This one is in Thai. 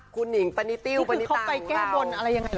คุณหญิงปะนิติ้วเป็นนิตา